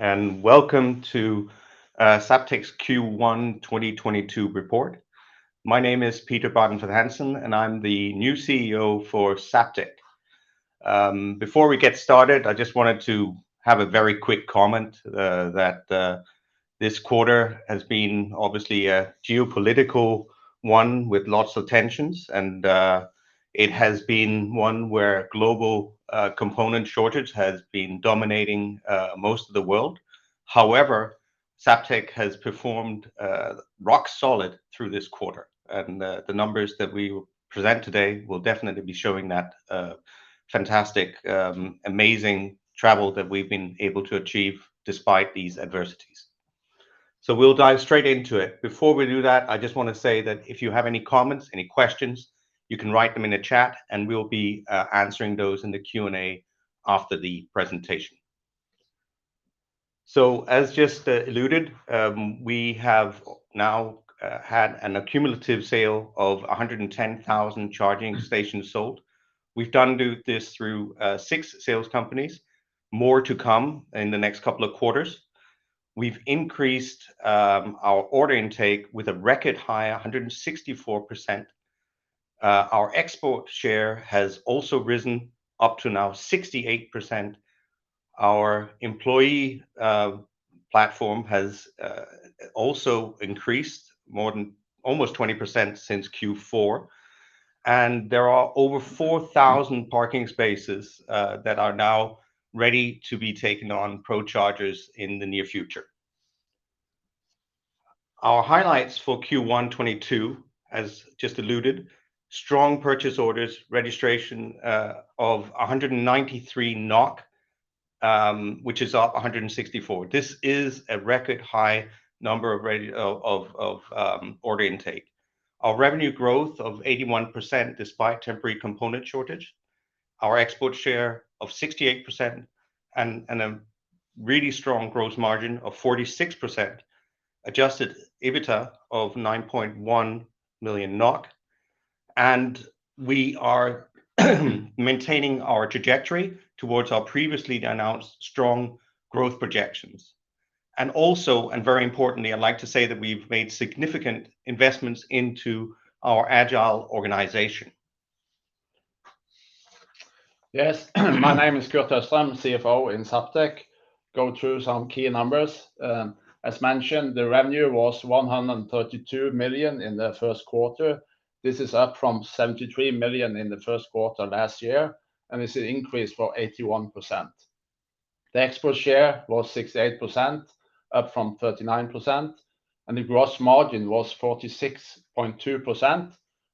Welcome to Zaptec's Q1 2022 report. My name is Peter Bardenfleth-Hansen, and I'm the new CEO for Zaptec. Before we get started, I just wanted to have a very quick comment that this quarter has been obviously a geopolitical one with lots of tensions and it has been one where global component shortage has been dominating most of the world. However, Zaptec has performed rock solid through this quarter, and the numbers that we will present today will definitely be showing that fantastic amazing travel that we've been able to achieve despite these adversities. We'll dive straight into it. Before we do that, I just wanna say that if you have any comments, any questions, you can write them in the chat, and we'll be answering those in the Q&A after the presentation. As just alluded, we have now had an accumulative sale of 110,000 charging stations sold. We've done this through 6 sales companies. More to come in the next couple of quarters. We've increased our order intake with a record high 164%. Our export share has also risen up to now 68%. Our employee platform has also increased more than almost 20% since Q4, and there are over 4,000 parking spaces that are now ready to be taken on Pro chargers in the near future. Our highlights for Q1 2022, as just alluded, strong purchase orders, registration of 193 million NOK, which is up 164%. This is a record high number of order intake. Our revenue growth of 81% despite temporary component shortage, our export share of 68% and a really strong gross margin of 46%, adjusted EBITDA of 9.1 million NOK, and we are maintaining our trajectory towards our previously announced strong growth projections. Very importantly, I'd like to say that we've made significant investments into our agile organization. Yes. My name is Kurt Østrem, CFO in Zaptec. Go through some key numbers. As mentioned, the revenue was 132 million in the Q1. This is up from 73 million in the Q1 last year, and this is increase for 81%. The export share was 68%, up from 39%, and the gross margin was 46.2%,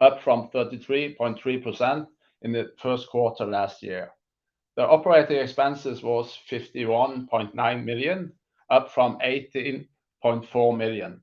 up from 33.3% in the Q1 last year. The operating expenses was 51.9 million, up from 18.4 million.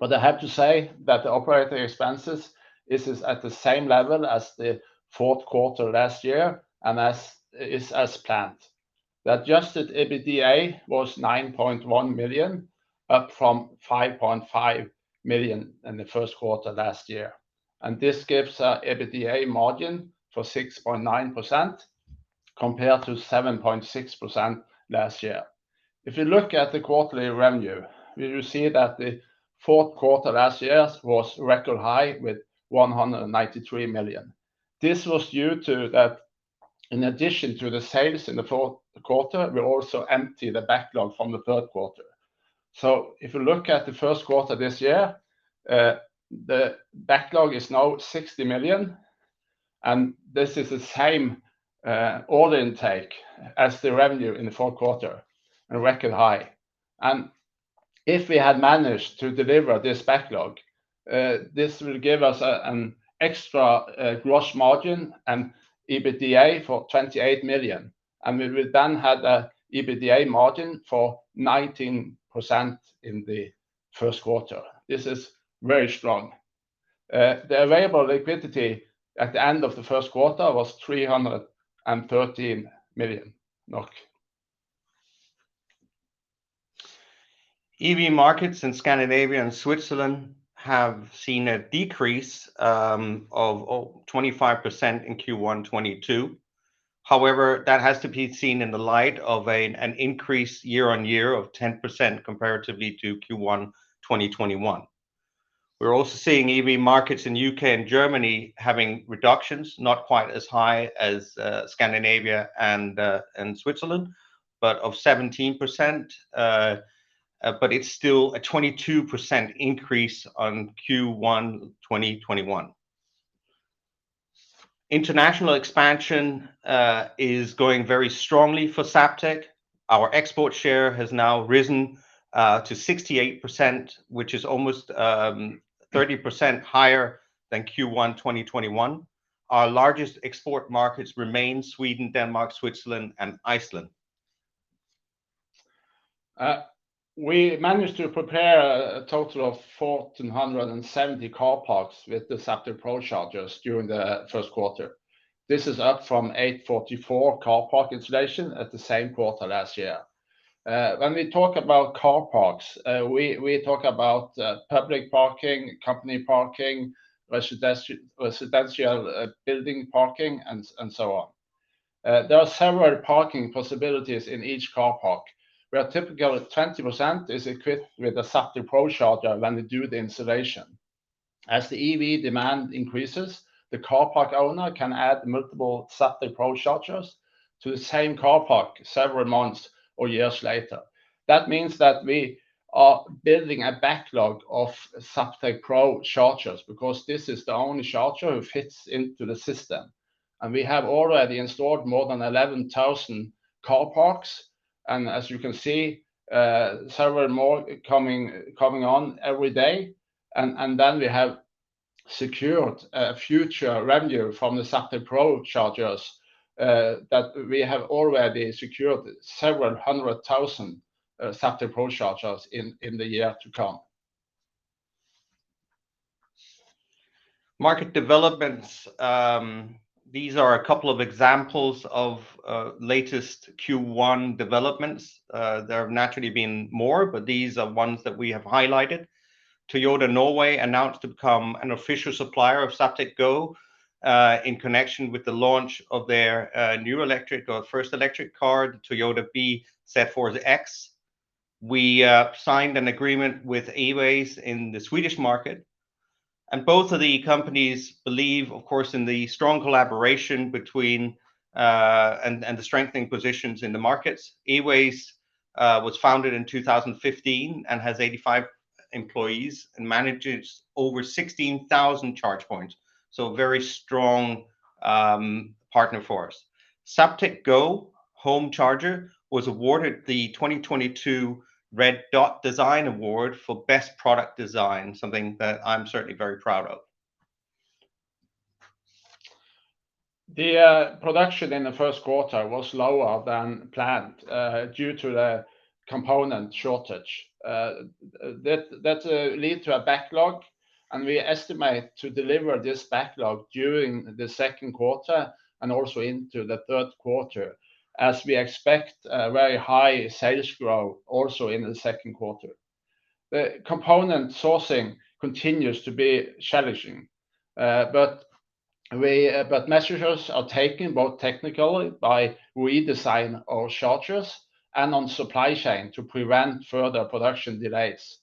I have to say that the operating expenses is at the same level as the Q4 last year, and is as planned. The adjusted EBITDA was 9.1 million, up from 5.5 million in the Q1 last year. This gives an EBITDA margin of 6.9% compared to 7.6% last year. If you look at the quarterly revenue, you will see that the Q4 last year was record high with 193 million. This was due to the fact that in addition to the sales in the Q4, we also emptied the backlog from the Q3. If you look at the Q1 this year, the backlog is now 60 million, and this is the same order intake as the revenue in the Q4, a record high. If we had managed to deliver this backlog, this will give us an extra gross margin and EBITDA for 28 million, and we will then have an EBITDA margin of 19% in the Q1. This is very strong. The available liquidity at the end of the Q1 was 313 million. EV markets in Scandinavia and Switzerland have seen a decrease of 25% in Q1 2022. However, that has to be seen in the light of an increase year-on-year of 10% comparatively to Q1 2021. We're also seeing EV markets in U.K. and Germany having reductions, not quite as high as Scandinavia and Switzerland, but of 17%, but it's still a 22% increase on Q1 2021. International expansion is going very strongly for Zaptec. Our export share has now risen to 68%, which is almost 30% higher than Q1 2021. Our largest export markets remain Sweden, Denmark, Switzerland, and Iceland. We managed to prepare a total of 1,470 car parks with the Zaptec Pro chargers during the Q1. This is up from 844 car park installation at the same quarter last year. When we talk about car parks, we talk about public parking, company parking, residential building parking and so on. There are several parking possibilities in each car park, where typically 20% is equipped with a Zaptec Pro charger when they do the installation. As the EV demand increases, the car park owner can add multiple Zaptec Pro chargers to the same car park several months or years later. That means that we are building a backlog of Zaptec Pro chargers because this is the only charger who fits into the system. We have already installed more than 11,000 car parks, and as you can see, several more coming on every day. Then we have secured a future revenue from the Zaptec Pro chargers that we have already secured several hundred thousand Zaptec Pro chargers in the year to come. Market developments. These are a couple of examples of latest Q1 developments. There have naturally been more, but these are ones that we have highlighted. Toyota Norway announced to become an official supplier of Zaptec Go in connection with the launch of their new electric or first electric car, the Toyota bZ4X. We signed an agreement with Eways in the Swedish market, and both of the companies believe, of course, in the strong collaboration between and the strengthening positions in the markets. Eways was founded in 2015 and has 85 employees and manages over 16,000 charge points, so a very strong partner for us. Zaptec Go home charger was awarded the 2022 Red Dot Design Award for Best Product Design, something that I'm certainly very proud of. The production in the Q1 was lower than planned due to the component shortage. That led to a backlog, and we estimate to deliver this backlog during the Q2 and also into the Q3, as we expect a very high sales growth also in the Q2. The component sourcing continues to be challenging, but measures are taken both technically by redesign our chargers and on supply chain to prevent further production delays.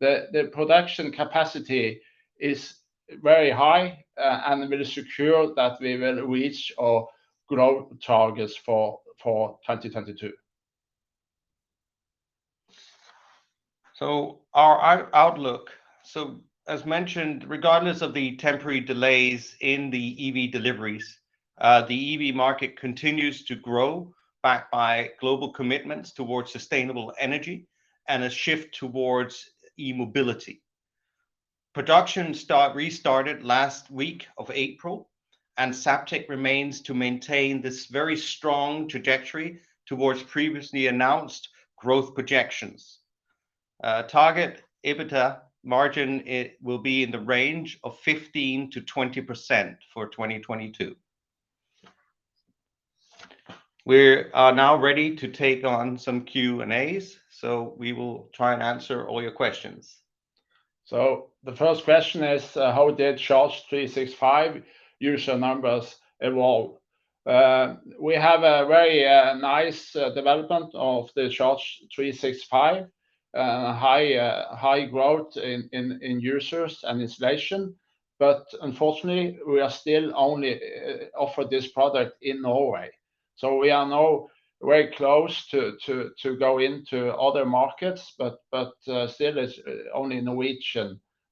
The production capacity is very high, and we're secure that we will reach our growth targets for 2022. Our outlook. As mentioned, regardless of the temporary delays in the EV deliveries, the EV market continues to grow, backed by global commitments toward sustainable energy and a shift toward e-mobility. Production started last week of April, and Zaptec remains to maintain this very strong trajectory toward previously announced growth projections. Target EBITDA margin will be in the range of 15%-20% for 2022. We are now ready to take on some Q&As, so we will try and answer all your questions. The first question is, how did Charge365 user numbers evolve? We have a very nice development of the Charge365. High growth in users and installation, but unfortunately, we are still only offering this product in Norway. We are now very close to go into other markets, but still it's only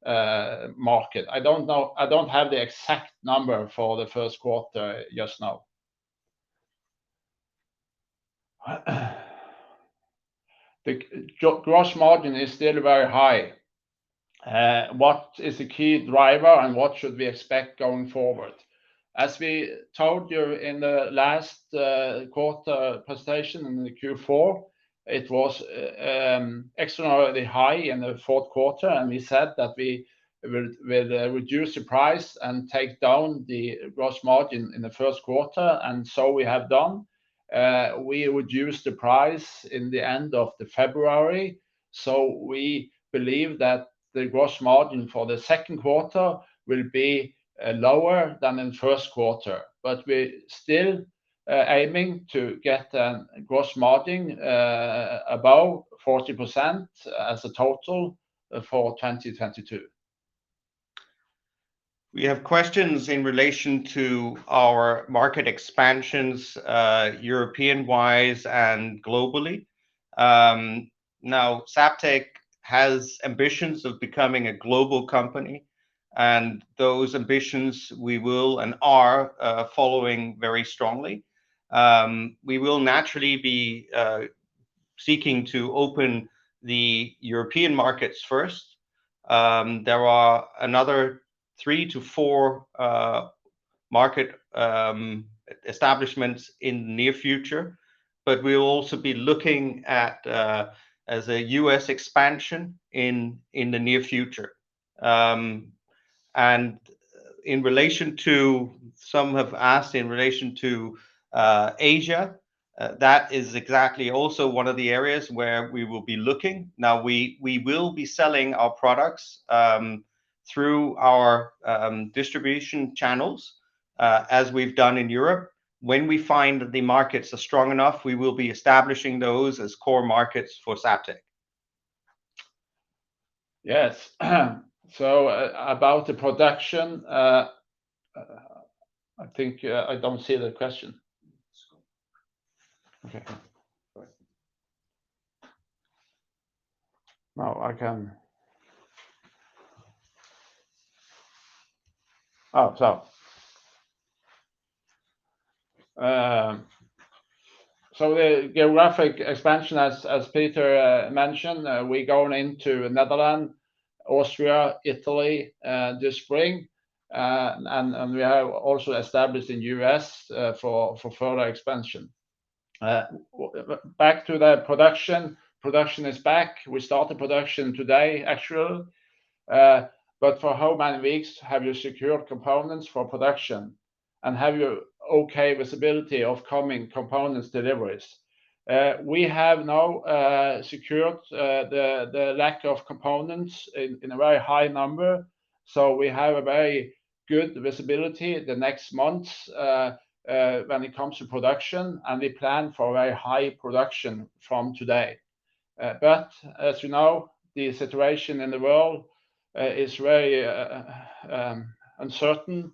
Norwegian market. I don't know. I don't have the exact number for the Q1 just now. The gross margin is still very high. What is the key driver, and what should we expect going forward? As we told you in the last quarter presentation in the Q4, it was extraordinarily high in the Q4, and we said that we will reduce the price and take down the gross margin in the Q1, and so we have done. We reduced the price at the end of February, so we believe that the gross margin for the Q2 will be lower than in Q1. We're still aiming to get a gross margin above 40% as a total for 2022. We have questions in relation to our market expansions, European-wise and globally. Now Zaptec has ambitions of becoming a global company, and those ambitions we will and are following very strongly. We will naturally be seeking to open the European markets first. There are another 3-4 market establishments in near future, but we'll also be looking at a U.S. expansion in the near future. Some have asked in relation to Asia, that is exactly also one of the areas where we will be looking. Now we will be selling our products through our distribution channels as we've done in Europe. When we find the markets are strong enough, we will be establishing those as core markets for Zaptec. Yes. About the production, I think I don't see the question. Okay. No, I can. Oh, the geographic expansion, as Peter mentioned, we're going into Netherlands, Austria, Italy this spring, and we have also established in U.S., for further expansion. Back to the production is back. We start the production today, actually. But for how many weeks have you secured components for production, and have you good visibility of coming components deliveries? We have now secured the stock of components in a very high number, so we have a very good visibility the next months, when it comes to production, and we plan for very high production from today. As you know, the situation in the world is very uncertain.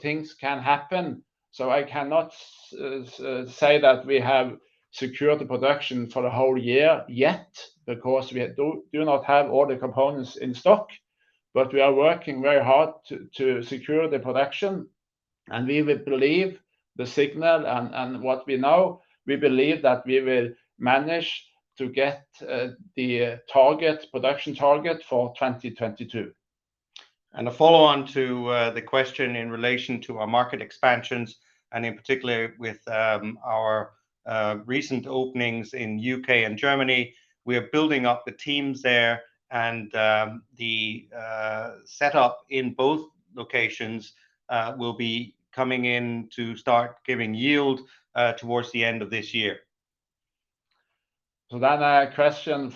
Things can happen, so I cannot say that we have secured the production for the whole year yet, because we do not have all the components in stock. We are working very hard to secure the production, and we will believe the signal and what we know, we believe that we will manage to get the target, production target for 2022. A follow-on to the question in relation to our market expansions, and in particular with our recent openings in U.K. and Germany, we are building up the teams there, and the setup in both locations will be coming in to start giving yield towards the end of this year. A question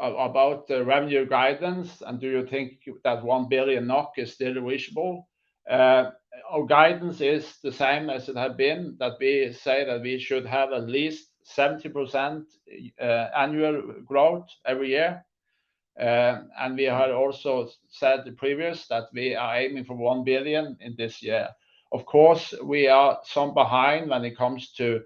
about the revenue guidance, and do you think that 1 billion NOK is still reachable? Our guidance is the same as it had been, that we say that we should have at least 70% annual growth every year. We had also said previously that we are aiming for 1 billion this year. Of course, we are somewhat behind when it comes to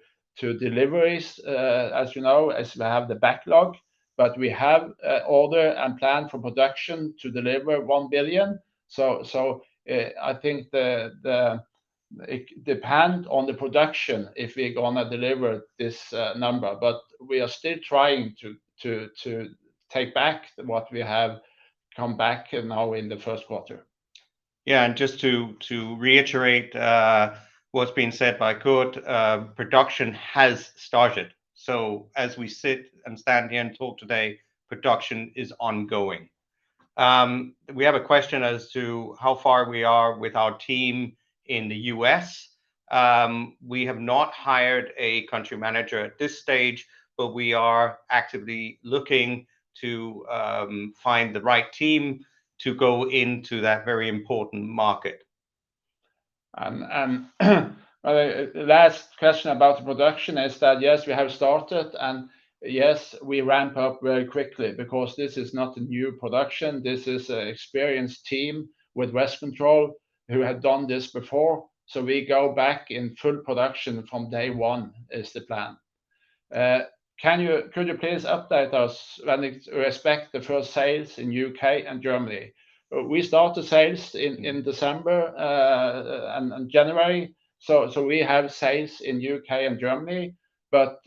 deliveries, as you know, as we have the backlog, but we have orders and plans for production to deliver 1 billion, so I think it depends on the production if we're gonna deliver this number. But we are still trying to make up for what we lost in the Q1. Yeah. Just to reiterate what's been said by Kurt Østrem, production has started. As we sit and stand here and talk today, production is ongoing. We have a question as to how far we are with our team in the U.S. We have not hired a country manager at this stage, but we are actively looking to find the right team to go into that very important market. The last question about the production is that, yes, we have started, and yes, we ramp up very quickly, because this is not a new production. This is a experienced team with Westcontrol who have done this before. We go back in full production from day one, is the plan. Could you please update us when expect the first sales in U.K. and Germany? We started sales in December and January. We have sales in U.K. and Germany, but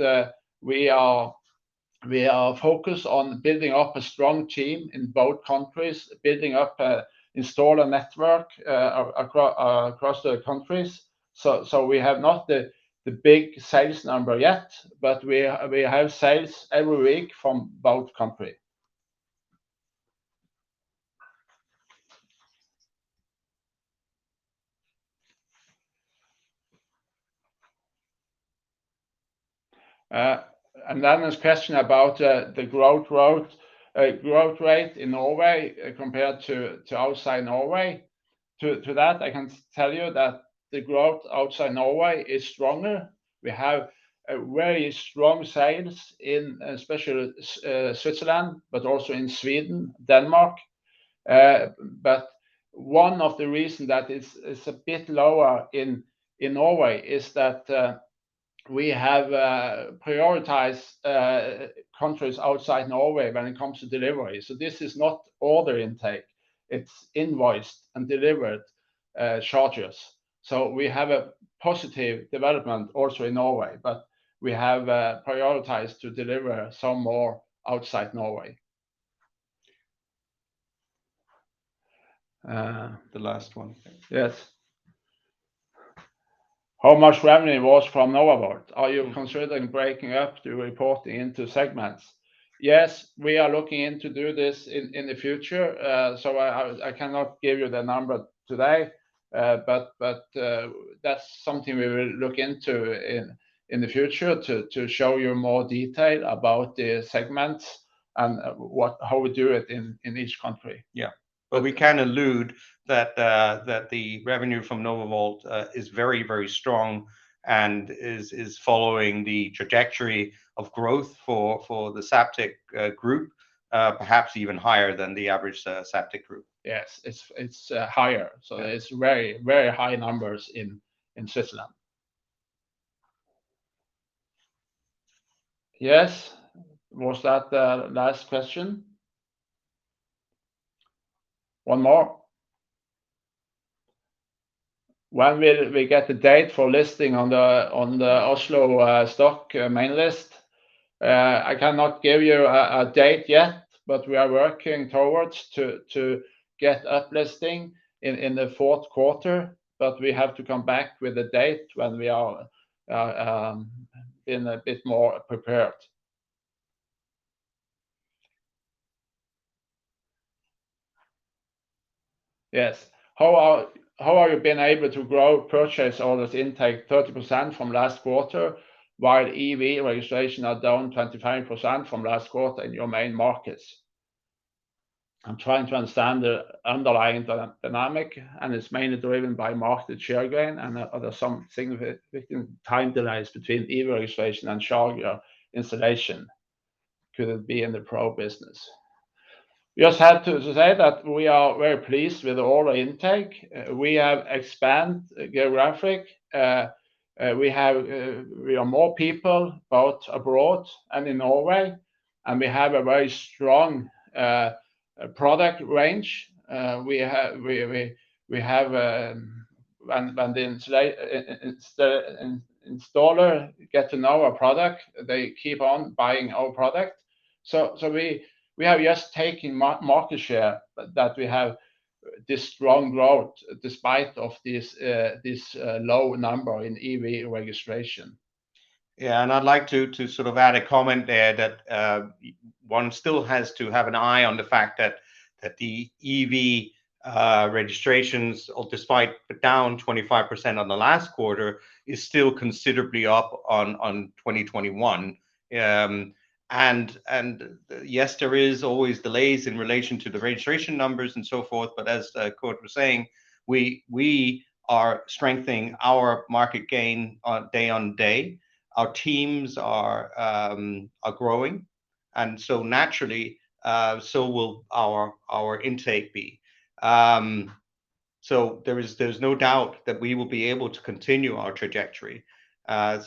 we are focused on building up a strong team in both countries, building up a installer network across the countries. We have not the big sales number yet, but we have sales every week from both country. Another question about the growth rate in Norway compared to outside Norway. To that, I can tell you that the growth outside Norway is stronger. We have a very strong sales, especially in Switzerland, but also in Sweden, Denmark. One of the reasons that it's a bit lower in Norway is that we have prioritized countries outside Norway when it comes to delivery. This is not order intake, it's invoiced and delivered chargers. We have a positive development also in Norway, but we have prioritized to deliver some more outside Norway. The last one. Yes. How much revenue was from NovaVolt? Are you considering breaking up the report into segments? Yes. We are looking into do this in the future. I cannot give you the number today. That's something we will look into in the future to show you more detail about the segments and how we do it in each country. Yeah. We can allude that the revenue from NovaVolt is very, very strong and is following the trajectory of growth for the Zaptec Group, perhaps even higher than the average Zaptec Group. Yes. It's higher. Yeah. It's very high numbers in system. Yes. Was that the last question? One more. When will we get the date for listing on the Oslo Stock Exchange main list? I cannot give you a date yet, but we are working towards to get that listing in the Q4, but we have to come back with a date when we are in a bit more prepared. Yes. How have you been able to grow purchase orders intake 30% from last quarter while EV registration are down 25% from last quarter in your main markets? I'm trying to understand the underlying dynamic, and it's mainly driven by market share gain and some significant time delays between EV registration and charger installation. Could it be in the Pro business? Just have to say that we are very pleased with order intake. We have expanded geographically. We have more people both abroad and in Norway, and we have a very strong product range. When the installer get to know our product, they keep on buying our product. We have just taken market share that we have this strong growth despite of this low number in EV registration. Yeah. I'd like to sort of add a comment there that one still has to have an eye on the fact that the EV registrations, despite down 25% on the last quarter, is still considerably up on 2021. Yes, there is always delays in relation to the registration numbers and so forth, but as Kurt was saying, we are strengthening our market gain day on day. Our teams are growing, and so naturally, so will our intake be. There's no doubt that we will be able to continue our trajectory.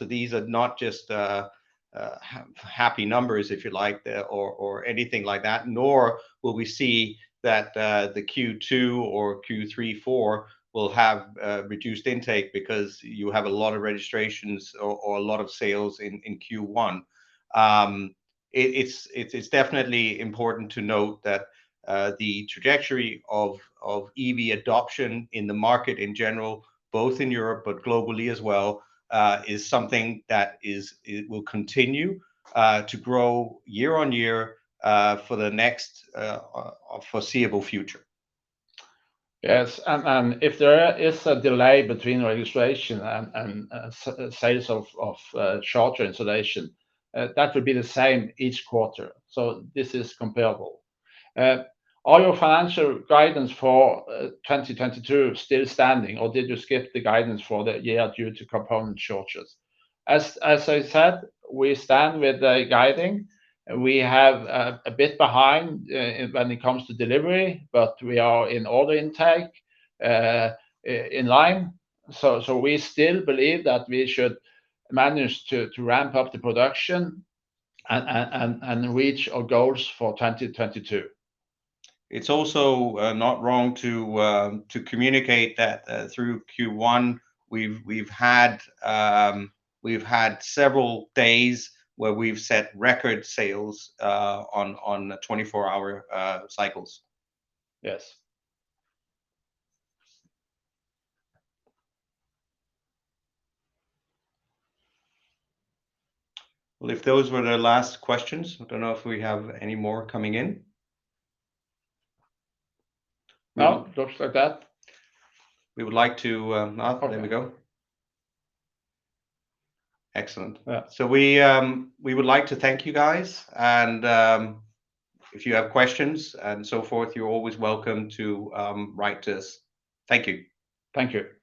These are not just happy numbers, if you like, or anything like that, nor will we see that the Q2 or Q3 or Q4 will have reduced intake because you have a lot of registrations or a lot of sales in Q1. It's definitely important to note that the trajectory of EV adoption in the market in general, both in Europe but globally as well, is something that will continue to grow year-on-year for the next foreseeable future. Yes. If there is a delay between registration and sales of charger installation, that would be the same each quarter, so this is comparable. Are your financial guidance for 2022 still standing, or did you skip the guidance for that year due to component shortages? As I said, we stand by the guidance. We are a bit behind when it comes to delivery, but we are in line in order intake. We still believe that we should manage to ramp up the production and reach our goals for 2022. It's also not wrong to communicate that through Q1, we've had several days where we've set record sales on 24-hour cycles. Yes. Well, if those were the last questions, I don't know if we have any more coming in. No. Looks like that. There we go. Excellent. Yeah. We would like to thank you guys, and if you have questions and so forth, you're always welcome to write to us. Thank you. Thank you.